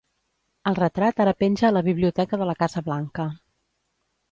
El retrat ara penja a la Biblioteca de la Casa Blanca.